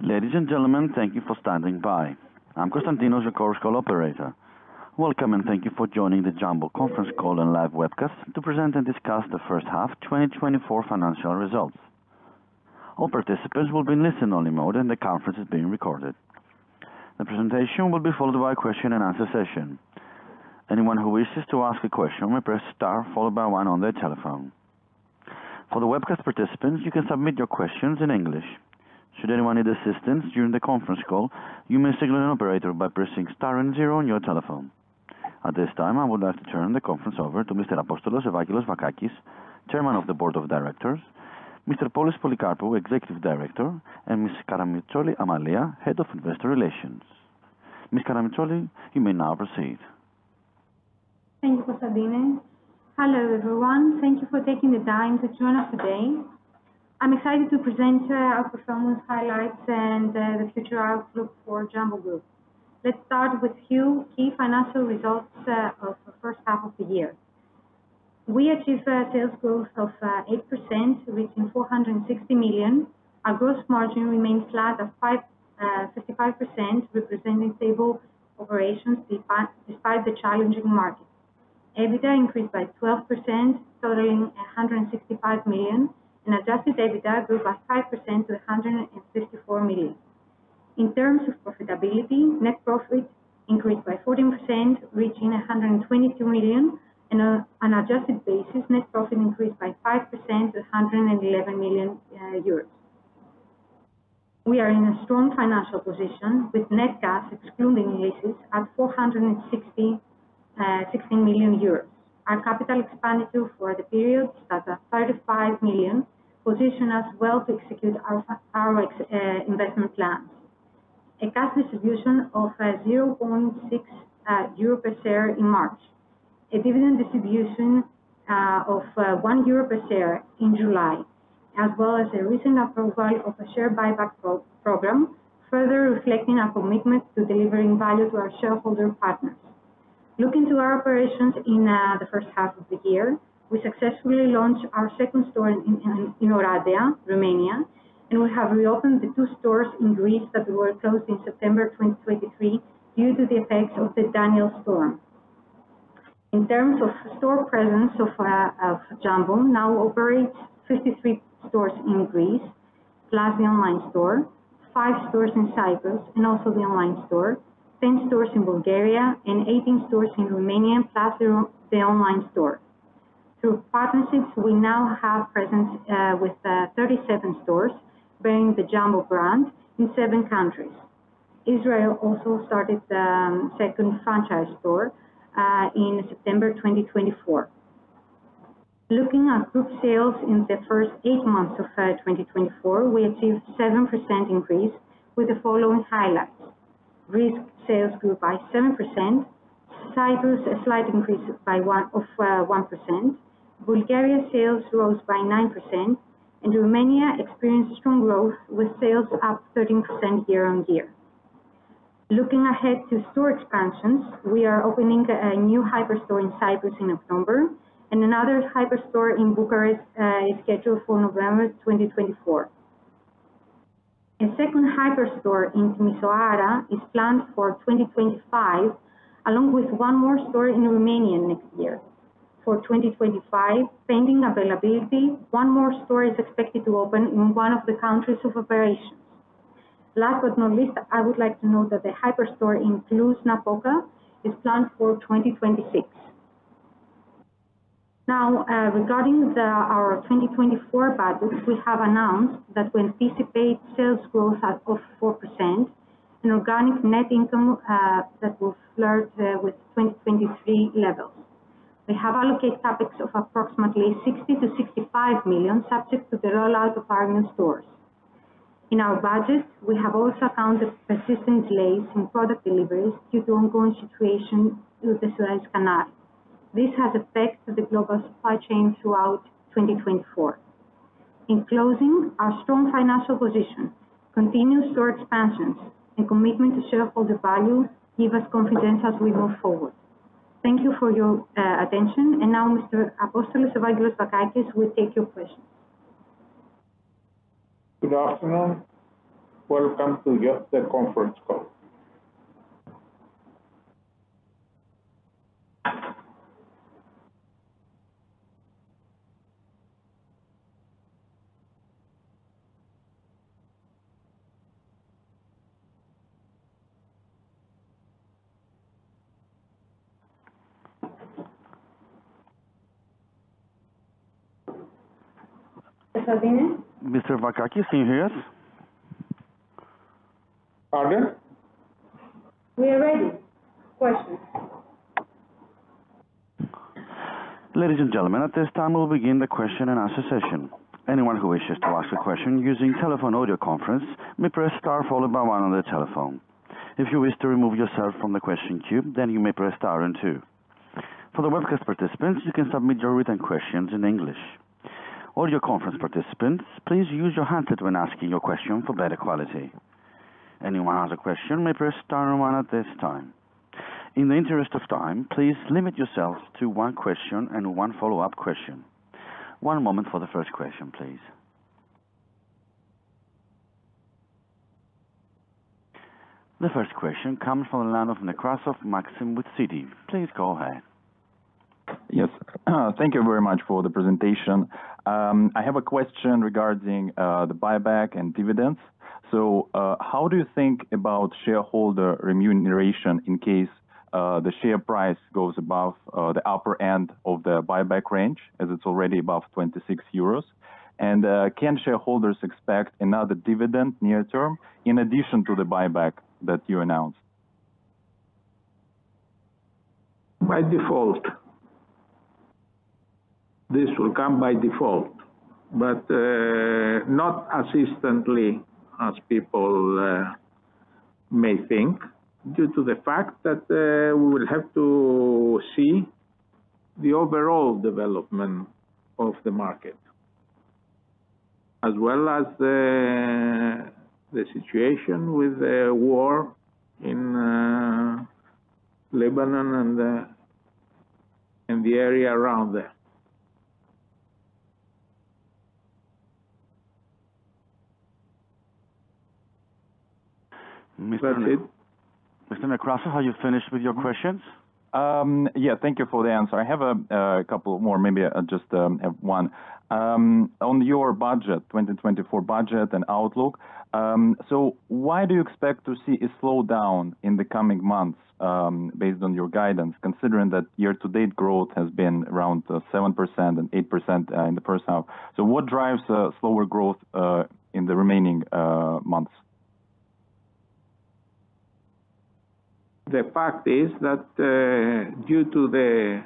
Ladies and gentlemen, thank you for standing by. I'm Constantinos, your conference call operator. Welcome, and thank you for joining the Jumbo conference call and live webcast to present and discuss the first half of 2024 financial results. All participants will be in listen-only mode, and the conference is being recorded. The presentation will be followed by a question and answer session. Anyone who wishes to ask a question may press star followed by one on their telephone. For the webcast participants, you can submit your questions in English. Should anyone need assistance during the conference call, you may signal an operator by pressing star and zero on your telephone. At this time, I would like to turn the conference over to Mr. Apostolos-Evangelos Vakakis, Chairman of the Board of Directors, Mr. Polys Polycarpou, Executive Director, and Ms. Amalia Karamitsoli, Head of Investor Relations. Ms. Karamitsoli, you may now proceed. Thank you, Constantinos. Hello, everyone. Thank you for taking the time to join us today. I'm excited to present our performance highlights and the future outlook for Jumbo Group. Let's start with a few key financial results of the first half of the year. We achieved sales growth of 8%, reaching 460 million. Our gross margin remains flat at 55%, representing stable operations despite the challenging market. EBITDA increased by 12%, totaling 165 million, and adjusted EBITDA grew by 5% to 154 million. In terms of profitability, net profit increased by 14%, reaching 122 million. On an adjusted basis, net profit increased by 5% to 111 million euros. We are in a strong financial position with net cash, excluding leases, at 461.6 million euros. Our capital expenditure for the period was at 35 million, position us well to execute our investment plans. A cash distribution of 0.6 euro per share in March, a dividend distribution of 1 euro per share in July, as well as a recent approval of a share buyback program, further reflecting our commitment to delivering value to our shareholder partners. Looking to our operations in the first half of the year, we successfully launched our second store in Oradea, Romania, and we have reopened the two stores in Greece that were closed in September 2023 due to the effects of the Daniel Storm. In terms of store presence of Jumbo, now operate 53 stores in Greece, plus the online store, five stores in Cyprus, and also the online store, 10 stores in Bulgaria, and 18 stores in Romania, plus the online store. Through partnerships, we now have presence with 37 stores bearing the Jumbo brand in seven countries. Israel also started the second franchise store in September 2024. Looking at group sales in the first eight months of 2024, we achieved 7% increase with the following highlights: Greece sales grew by 7%, Cyprus, a slight increase by 1%, Bulgaria sales rose by 9%, and Romania experienced strong growth with sales up 13% year on year. Looking ahead to store expansions, we are opening a new hyperstore in Cyprus in October, and another hyperstore in Bucharest is scheduled for November 2024. A second hyperstore in Timișoara is planned for 2025, along with one more store in Romania next year. For 2025, pending availability, one more store is expected to open in one of the countries of operations. Last but not least, I would like to note that the hyperstore in Cluj-Napoca is planned for 2026. Now, regarding our 2024 budget, we have announced that we anticipate sales growth of 4% and organic net income that will flirt with 2023 levels. We have allocated CapEx of approximately 60 million-65 million, subject to the rollout of our new stores. In our budget, we have also counted persistent delays in product deliveries due to ongoing situation with the Suez Canal. This has affected the global supply chain throughout 2024. In closing, our strong financial position, continuous store expansions, and commitment to shareholder value give us confidence as we move forward. Thank you for your attention, and now Mr. Apostolos-Evangelos Vakakis will take your questions. Good afternoon. Welcome to [Jumbo] conference call. Mr. Vakakis, can you hear us? Pardon? We are ready. Questions. Ladies and gentlemen, at this time, we'll begin the question and answer session. Anyone who wishes to ask a question using telephone audio conference may press star followed by one on their telephone. If you wish to remove yourself from the question queue, then you may press star and two. For the webcast participants, you can submit your written questions in English. Audio conference participants, please use your handset when asking your question for better quality. Anyone has a question may press star and one at this time.... In the interest of time, please limit yourself to one question and one follow-up question. One moment for the first question, please. The first question comes from the line of Maxim Nekrasov with Citi. Please go ahead. Yes, thank you very much for the presentation. I have a question regarding the buyback and dividends. So, how do you think about shareholder remuneration in case the share price goes above the upper end of the buyback range, as it's already above 26 euros? And, can shareholders expect another dividend near term, in addition to the buyback that you announced? By default. This will come by default, but, not as instantly as people may think, due to the fact that, we will have to see the overall development of the market, as well as, the situation with the war in, Lebanon and, in the area around there. Mr. Nekrasov, are you finished with your questions? Yeah, thank you for the answer. I have a couple more, maybe I just have one. On your budget, 2024 budget and outlook, so why do you expect to see a slowdown in the coming months, based on your guidance, considering that year-to-date growth has been around 7% and 8% in the first half? So what drives slower growth in the remaining months? The fact is that, due to the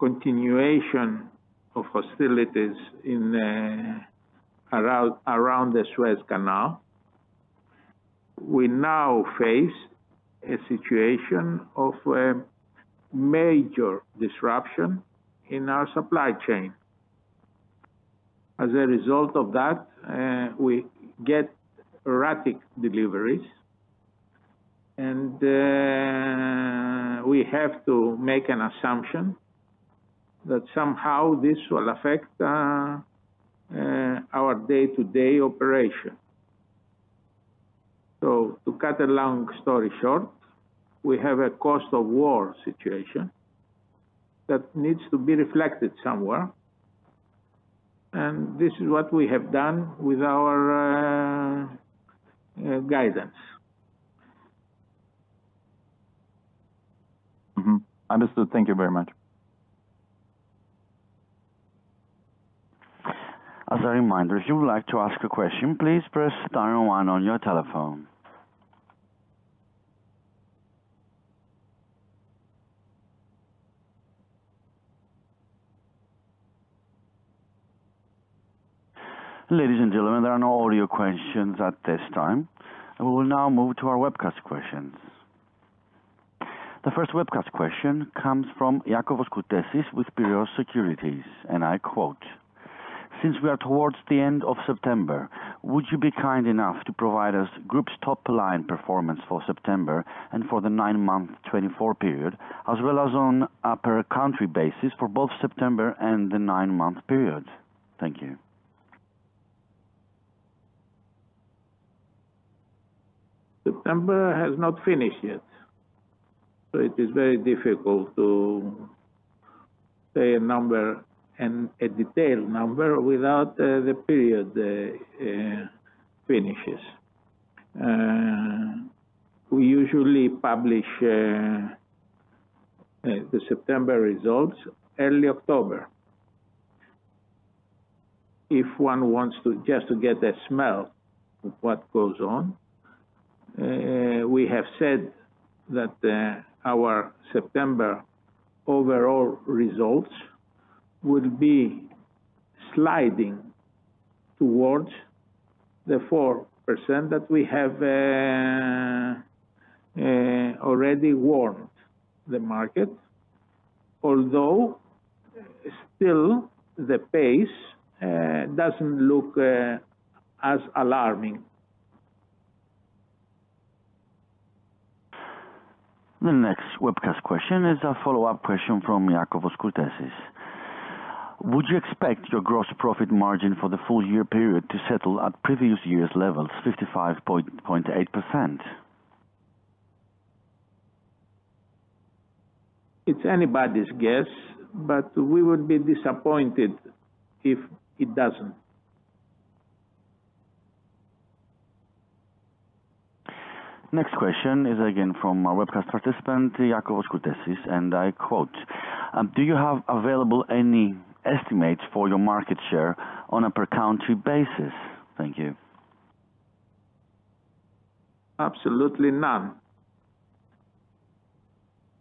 continuation of hostilities in around the Suez Canal, we now face a situation of major disruption in our supply chain. As a result of that, we get erratic deliveries, and we have to make an assumption that somehow this will affect our day-to-day operation. So to cut a long story short, we have a cost of war situation that needs to be reflected somewhere, and this is what we have done with our guidance. Mm-hmm. Understood. Thank you very much. As a reminder, if you would like to ask a question, please press star one on your telephone. Ladies and gentlemen, there are no audio questions at this time. We will now move to our webcast questions. The first webcast question comes from Iakovos Kourtesis with Piraeus Securities, and I quote: "Since we are towards the end of September, would you be kind enough to provide the group's top line performance for September and for the nine-month 2024 period, as well as per country basis for both September and the nine-month period? Thank you. September has not finished yet, so it is very difficult to say a number and a detailed number without the period finishes. We usually publish the September results early October. If one wants to just to get a smell of what goes on, we have said that our September overall results will be sliding towards the 4% that we have already warned the market, although still the pace doesn't look as alarming. The next webcast question is a follow-up question from Iakovos Kourtesis: "Would you expect your gross profit margin for the full year period to settle at previous year's levels, 55.8%? It's anybody's guess, but we would be disappointed if it doesn't. Next question is again from our webcast participant, Iakovos Kourtesis, and I quote: "Do you have available any estimates for your market share on a per country basis? Thank you. Absolutely none.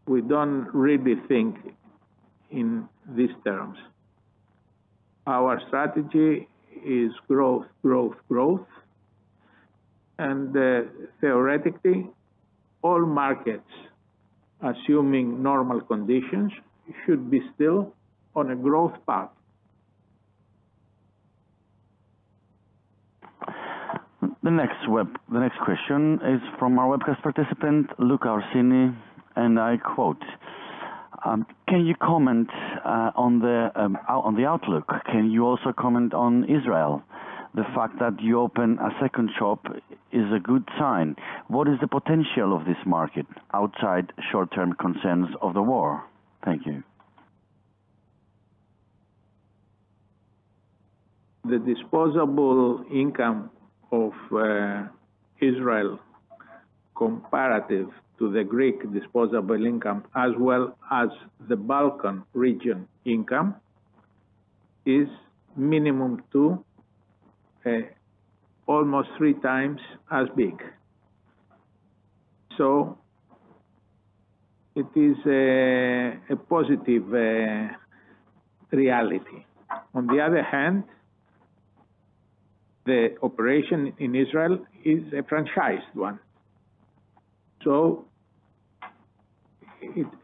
We don't really think in these terms. Our strategy is growth, growth, growth, and theoretically, all markets, assuming normal conditions, should be still on a growth path. The next question is from our webcast participant, Luca Orsini, and I quote, "Can you comment on the outlook? Can you also comment on Israel? The fact that you opened a second shop is a good sign. What is the potential of this market outside short-term concerns of the war? Thank you. The disposable income of Israel, comparative to the Greek disposable income, as well as the Balkan region income, is minimum to almost three times as big. So it is a positive reality. On the other hand, the operation in Israel is a franchised one, so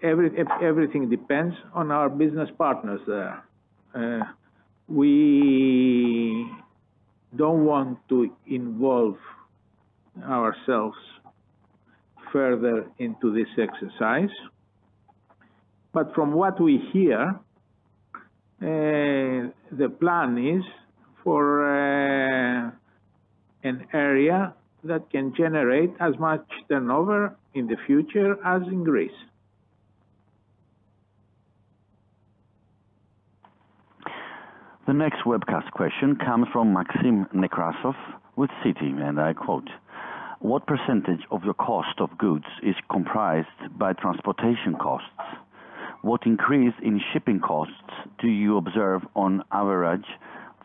everything depends on our business partners there. We don't want to involve ourselves further into this exercise, but from what we hear, the plan is for an area that can generate as much turnover in the future as in Greece. The next webcast question comes from Maxim Nekrasov with Citi, and I quote: "What percentage of the cost of goods is comprised by transportation costs? What increase in shipping costs do you observe on average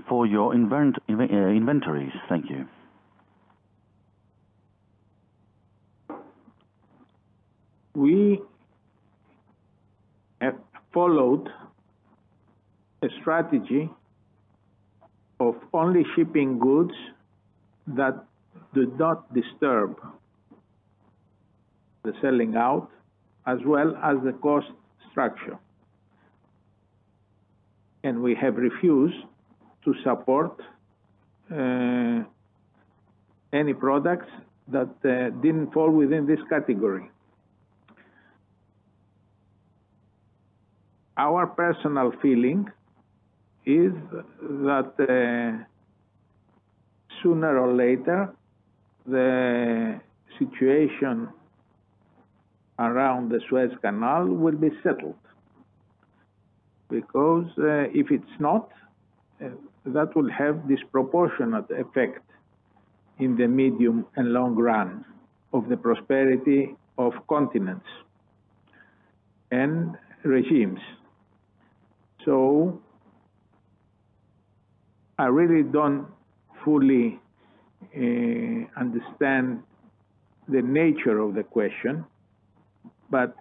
for your inventories? Thank you. We have followed a strategy of only shipping goods that do not disturb the selling out, as well as the cost structure, and we have refused to support any products that didn't fall within this category. Our personal feeling is that sooner or later, the situation around the Suez Canal will be settled, because if it's not, that will have disproportionate effect in the medium and long run of the prosperity of continents and regimes, so I really don't fully understand the nature of the question, but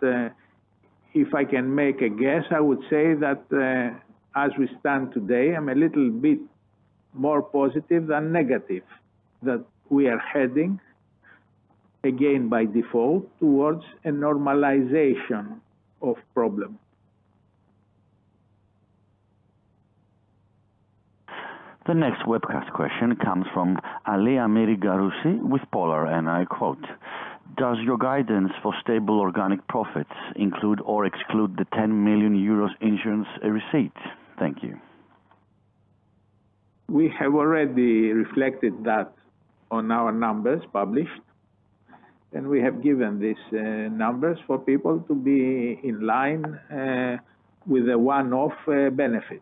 if I can make a guess, I would say that as we stand today, I'm a little bit more positive than negative, that we are heading, again, by default, towards a normalization of problem. The next webcast question comes from Ali Amiri with Polar, and I quote: "Does your guidance for stable organic profits include or exclude the 10 million euros insurance receipt? Thank you. We have already reflected that on our numbers published, and we have given these numbers for people to be in line with a one-off benefit.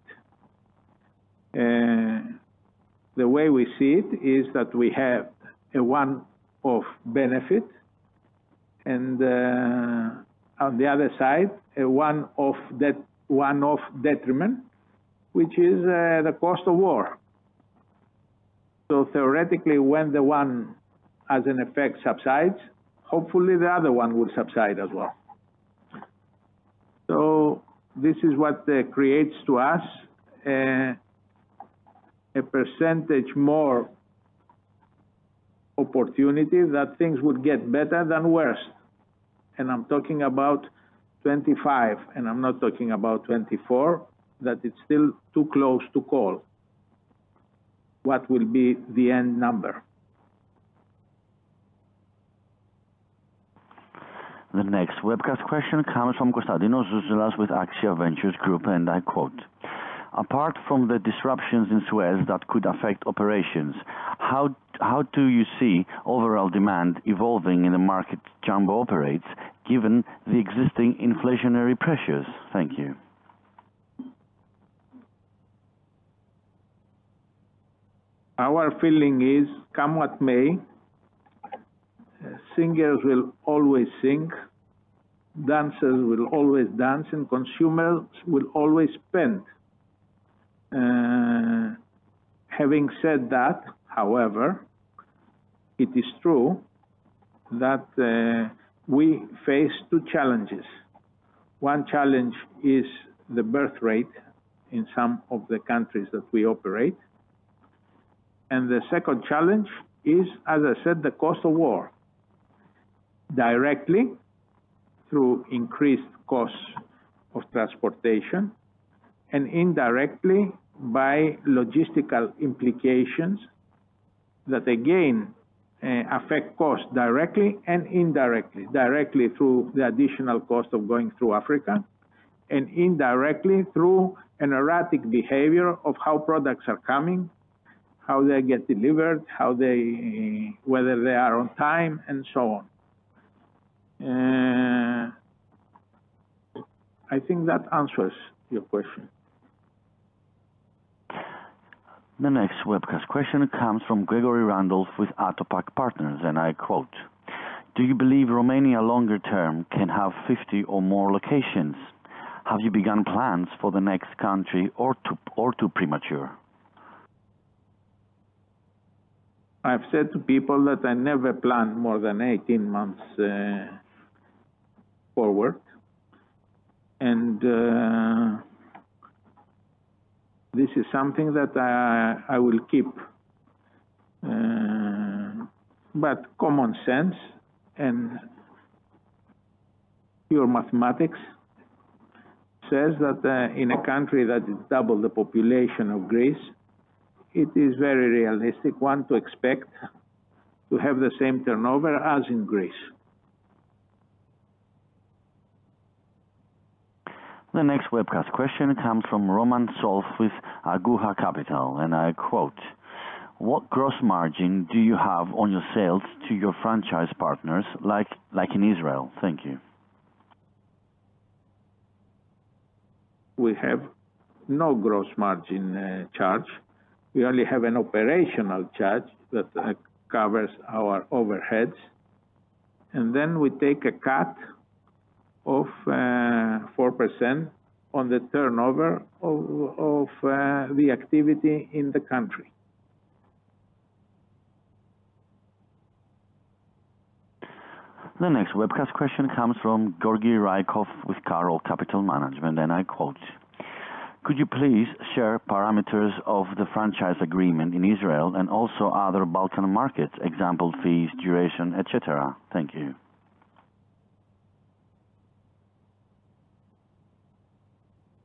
The way we see it is that we have a one-off benefit and, on the other side, a one-off detriment, which is the cost of war. So theoretically, when the one as an effect subsides, hopefully the other one will subside as well. So this is what creates to us a percentage more opportunity that things would get better than worse. I'm talking about 2025, and I'm not talking about 2024, that it's still too close to call what will be the end number. The next webcast question comes from Constantinos Zouzoulas with Axia Ventures Group, and I quote: "Apart from the disruptions in Suez that could affect operations, how do you see overall demand evolving in the market Jumbo operates, given the existing inflationary pressures? Thank you. Our feeling is, come what may, singers will always sing, dancers will always dance, and consumers will always spend. Having said that, however, it is true that we face two challenges. One challenge is the birth rate in some of the countries that we operate, and the second challenge is, as I said, the cost of war directly through increased costs of transportation and indirectly by logistical implications that again affect cost directly and indirectly. Directly through the additional cost of going through Africa, and indirectly through an erratic behavior of how products are coming, how they get delivered, how they whether they are on time, and so on. I think that answers your question. The next webcast question comes from Gregory Randolph, with Autopac Partners, and I quote: "Do you believe Romania longer term can have 50 or more locations? Have you begun plans for the next country or is it too premature? I've said to people that I never plan more than 18 months forward. And this is something that I will keep. But common sense and pure mathematics says that in a country that is double the population of Greece, it is very realistic one to expect to have the same turnover as in Greece. The next webcast question comes from Roman Zulauf with Aqua Capital, and I quote: "What gross margin do you have on your sales to your franchise partners like in Israel? Thank you. We have no gross margin charge. We only have an operational charge that covers our overheads, and then we take a cut of 4% on the turnover of the activity in the country. The next webcast question comes from Georgiy Rykov, with Karoll Capital Management, and I quote: "Could you please share parameters of the franchise agreement in Israel and also other Balkan markets, example, fees, duration, et cetera? Thank you.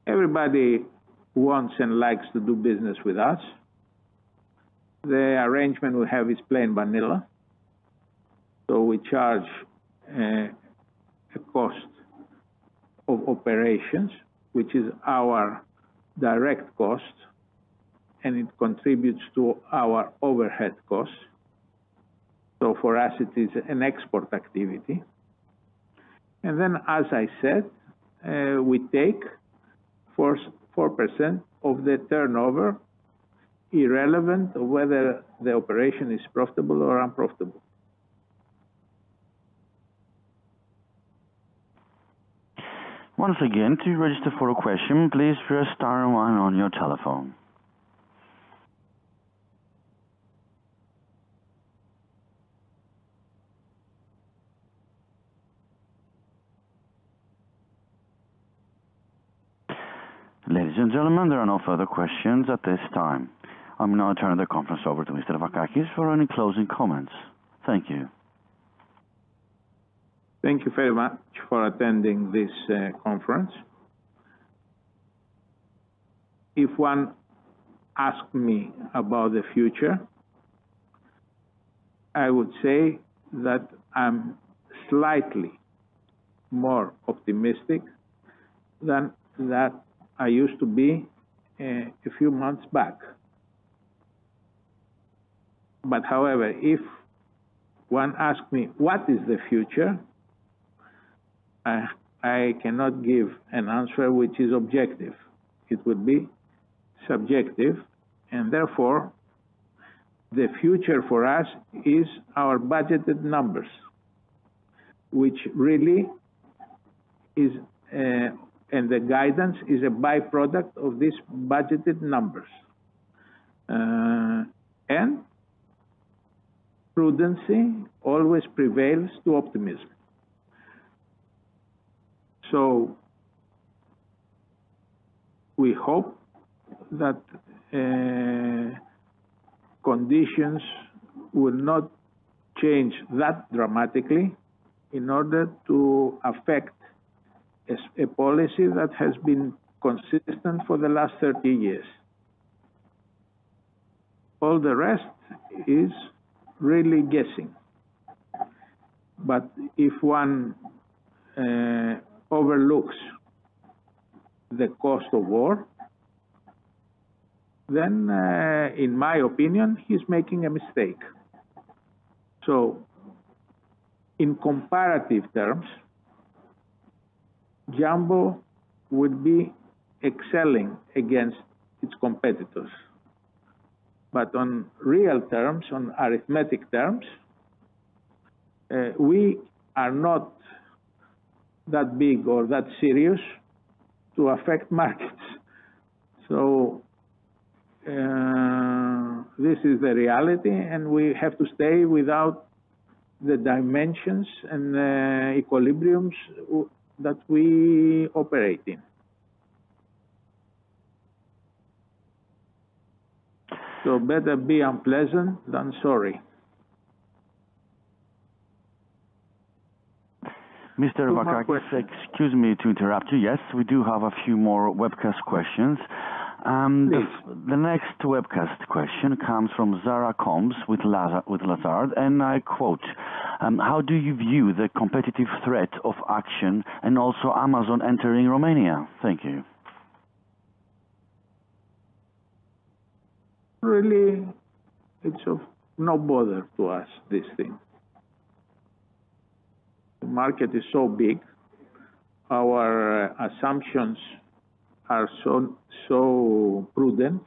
Everybody wants and likes to do business with us. The arrangement we have is plain vanilla, so we charge a cost of operations, which is our direct cost, and it contributes to our overhead costs. So for us, it is an export activity. And then, as I said, we take first 4% of the turnover, irrelevant of whether the operation is profitable or unprofitable. Once again, to register for a question, please press star one on your telephone. Ladies and gentlemen, there are no further questions at this time. I'll now turn the conference over to Mr. Vakakis for any closing comments. Thank you. Thank you very much for attending this conference. If one ask me about the future, I would say that I'm slightly more optimistic than that I used to be a few months back. But however, if one ask me, what is the future? I cannot give an answer which is objective. It would be subjective, and therefore, the future for us is our budgeted numbers, which really is, and the guidance is a by-product of these budgeted numbers. And prudence always prevails to optimism. So we hope that conditions will not change that dramatically in order to affect a policy that has been consistent for the last thirteen years. All the rest is really guessing. But if one overlooks the cost of war, then in my opinion, he's making a mistake. So in comparative terms, Jumbo would be excelling against its competitors. But on real terms, on arithmetic terms, we are not that big or that serious to affect markets. So, this is the reality, and we have to stay without the dimensions and, equilibriums that we operate in. So better be unpleasant than sorry. Mr. Vakakis, excuse me to interrupt you. Yes, we do have a few more webcast questions. Please. The next webcast question comes from Zara Coombs with Lazard, and I quote: "How do you view the competitive threat of Action and also Amazon entering Romania? Thank you. Really, it's of no bother to us, this thing. The market is so big. Our assumptions are so, so prudent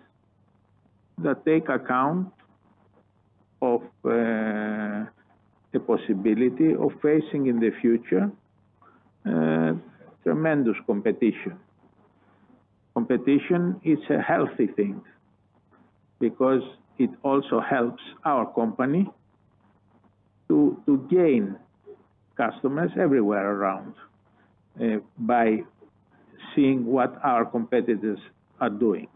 that take account of the possibility of facing in the future tremendous competition. Competition is a healthy thing because it also helps our company to gain customers everywhere around by seeing what our competitors are doing.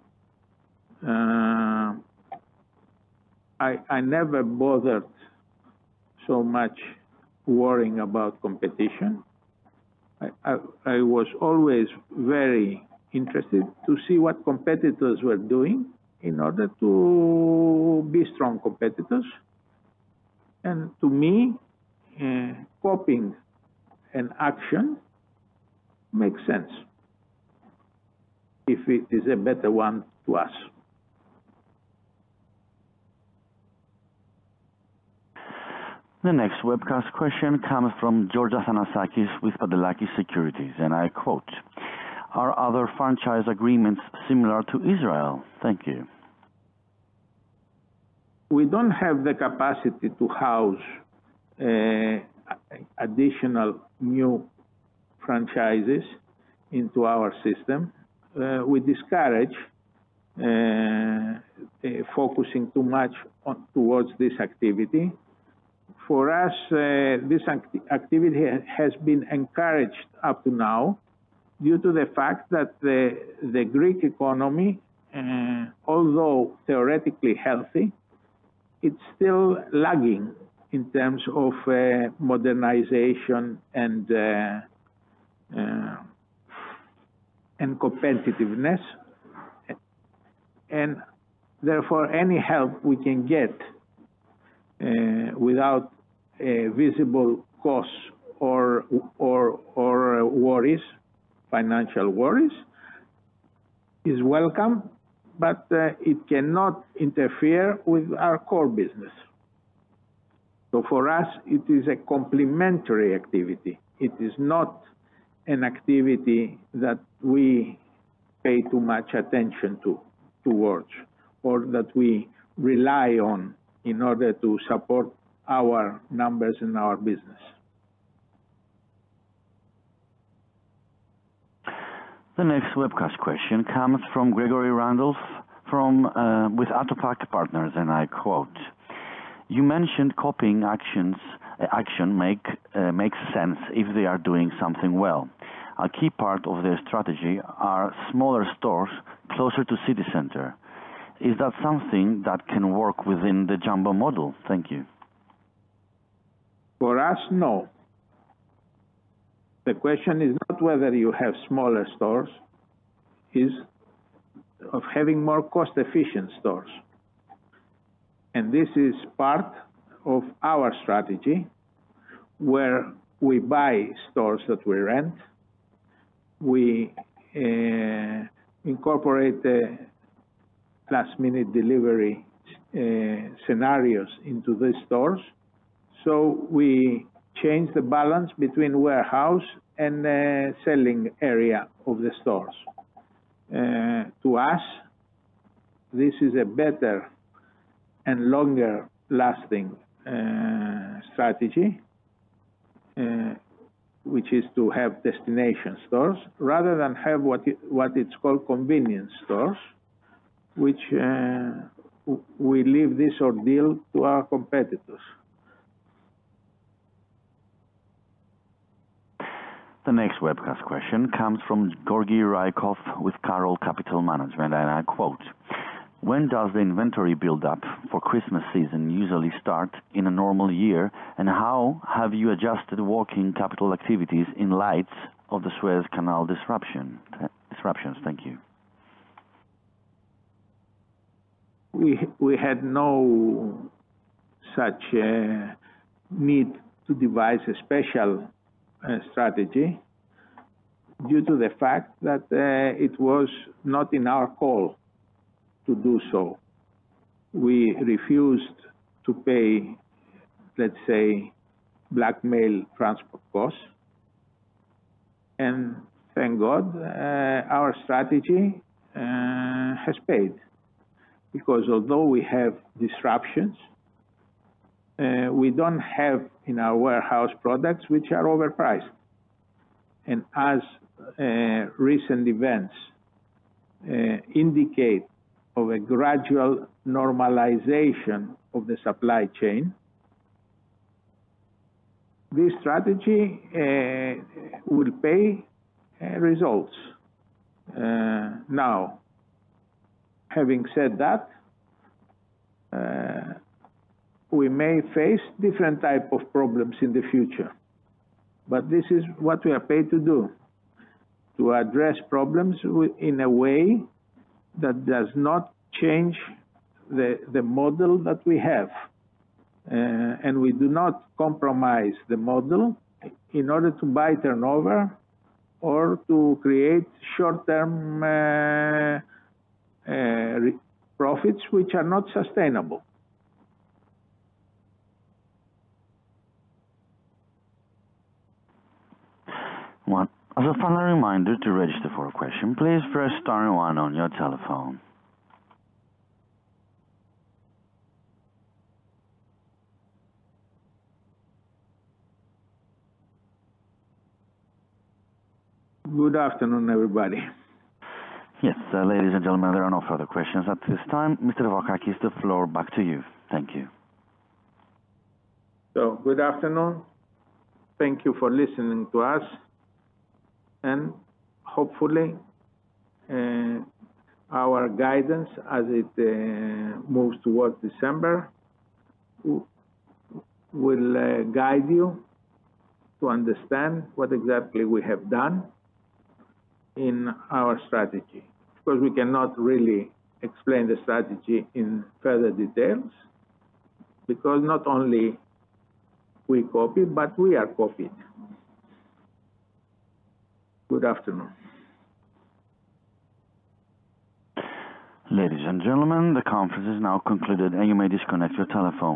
I never bothered so much worrying about competition. I was always very interested to see what competitors were doing in order to be strong competitors. And to me, copying an action makes sense if it is a better one to us. The next webcast question comes from George Athanasakis with Pantelakis Securities, and I quote: "Are other franchise agreements similar to Israel? Thank you. We don't have the capacity to house additional new franchises into our system. We discourage focusing too much on, towards this activity. For us, this activity has been encouraged up to now, due to the fact that the Greek economy, although theoretically healthy, it's still lagging in terms of modernization and competitiveness. And therefore, any help we can get without a visible cost or financial worries is welcome, but it cannot interfere with our core business. So for us, it is a complementary activity. It is not an activity that we pay too much attention to, towards, or that we rely on in order to support our numbers and our business. The next webcast question comes from Gregory Randolph with Autopac Partners, and I quote: "You mentioned copying Action's. Action makes sense if they are doing something well. A key part of their strategy are smaller stores closer to city center. Is that something that can work within the Jumbo model? Thank you. For us, no. The question is not whether you have smaller stores, is of having more cost-efficient stores. And this is part of our strategy, where we buy stores that we rent. We incorporate the last-minute delivery scenarios into these stores. So we change the balance between warehouse and the selling area of the stores. To us, this is a better and longer-lasting strategy, which is to have destination stores, rather than have what it's called convenience stores, which we leave this ordeal to our competitors. The next webcast question comes from Georgiy Rykov with Karoll Capital Management, and I quote: "When does the inventory build-up for Christmas season usually start in a normal year? And how have you adjusted working capital activities in light of the Suez Canal disruption, disruptions? Thank you. We had no such need to devise a special strategy due to the fact that it was not in our core to do so. We refused to pay, let's say, blackmail transport costs. And thank God our strategy has paid, because although we have disruptions, we don't have in our warehouse products which are overpriced. And as recent events indicate of a gradual normalization of the supply chain. This strategy will pay results. Now, having said that, we may face different type of problems in the future, but this is what we are paid to do, to address problems in a way that does not change the model that we have and we do not compromise the model in order to buy turnover or to create short-term profits which are not sustainable. Once, as a final reminder to register for a question, please press star one on your telephone. Good afternoon, everybody. Yes. So ladies and gentlemen, there are no further questions at this time. Mr. Vakakis, the floor back to you. Thank you. Good afternoon. Thank you for listening to us, and hopefully, our guidance as it moves towards December, will guide you to understand what exactly we have done in our strategy. Because we cannot really explain the strategy in further details, because not only we copy, but we are copied. Good afternoon. Ladies and gentlemen, the conference is now concluded, and you may disconnect your telephone.